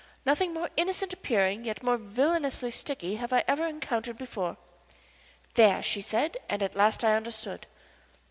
Nothing more innocent appearing yet more villainously sticky have I ever before encountered. "There!" she said and at last I understood.